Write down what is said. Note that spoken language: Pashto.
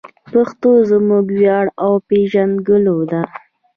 پښتو زموږ ویاړ او پېژندګلوي ده.